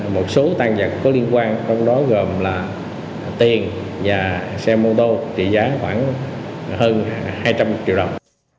một số tan vật có liên quan trong đó gồm là tiền và xe mô tô trị giá khoảng hơn hai trăm linh triệu đồng